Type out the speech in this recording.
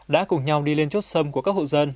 đã cùng nhau đi lên chốt sâm của các hộ dân